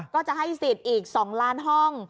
ก็จะให้สิทธิ์อีก๒ล้านห้อง